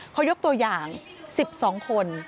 เขายกตัวอย่าง๑๒คน